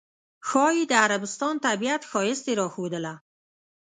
ښایي د عربستان طبیعت ښایست یې راښودله.